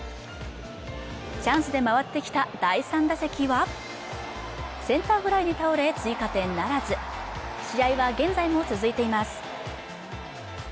チャンスで回ってきた第３打席はセンターフライに倒れ追加点ならず試合は現在も続いています